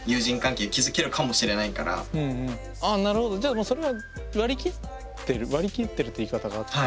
じゃあもうそれは割り切ってる「割り切ってる」って言い方が合ってるか。